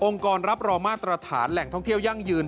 รับรองมาตรฐานแหล่งท่องเที่ยวยั่งยืน